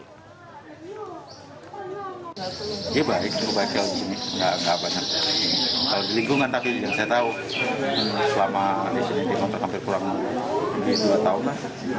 tapi yang saya tahu selama disini di kontrak hampir kurang lebih dua tahun